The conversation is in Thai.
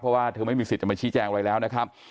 เพราะว่าเธอไม่มีสิทธิ์จะมาชี้แจงอะไรแล้วนะครับ